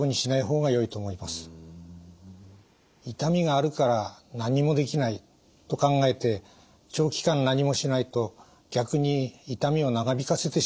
「痛みがあるから何もできない」と考えて長期間何もしないと逆に痛みを長引かせてしまいます。